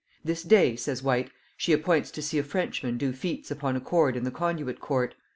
"This day," says Whyte, "she appoints to see a Frenchman do feats upon a cord in the conduit court.